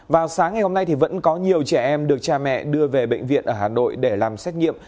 vào sáng ngày hôm nay thì vẫn có nhiều trẻ em được cha mẹ đưa về bệnh viện ở hà nội để làm xét nghiệm